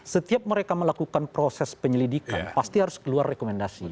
setiap mereka melakukan proses penyelidikan pasti harus keluar rekomendasi